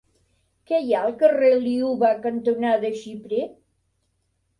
Què hi ha al carrer Liuva cantonada Xiprer?